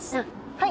はい。